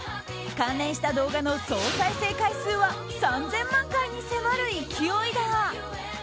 関連した動画の総再生回数は３０００万回に迫る勢いだ。